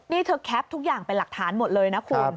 นี่เธอแคปทุกอย่างเป็นหลักฐานหมดเลยนะคุณ